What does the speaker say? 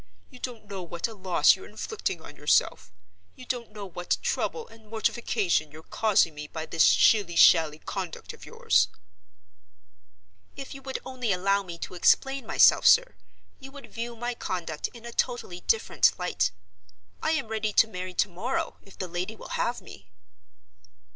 You don't know what a loss you're inflicting on yourself; you don't know what trouble and mortification you're causing me by this shilly shally conduct of yours." "If you would only allow me to explain myself, sir, you would view my conduct in a totally different light. I am ready to marry to morrow, if the lady will have me."